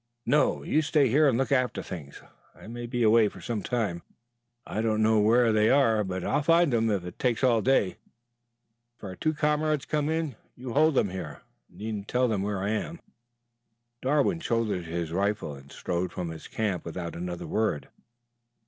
"No. You stay here and look after things. I may be away for some time. I don't know where they are, but I'll find them if it takes all day. If our two comrades come in, you hold them here. Needn't tell them where I am." Darwood shouldered his rifle and strode from his camp without another word.